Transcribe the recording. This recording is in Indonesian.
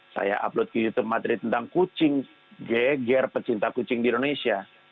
saya upload ke youtube madrid tentang kucing geger pecinta kucing di indonesia